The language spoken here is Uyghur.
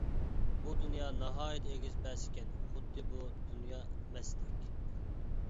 بۇ دۇنيا ناھايىتى ئېگىز-پەس ئىكەن، خۇددى بۇ دۇنيا مەستەك.